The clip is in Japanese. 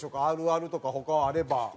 あるあるとか他あれば。